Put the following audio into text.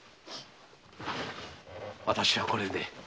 私はこれで。